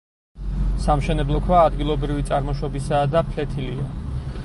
სამშენებლო ქვა ადგილობრივი წარმოშობისაა და ფლეთილია.